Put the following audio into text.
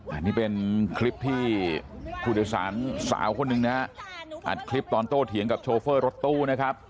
อันนี้เป็นคลิปที่ผู้โดยสารสาวคนหนึ่งนะฮะอัดคลิปตอนโตเถียงกับโชเฟอร์รถตู้นะครับ